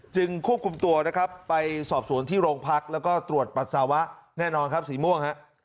ควบคุมตัวนะครับไปสอบสวนที่โรงพักแล้วก็ตรวจปัสสาวะแน่นอนครับสีม่วงฮะ